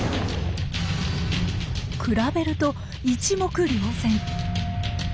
比べると一目瞭然。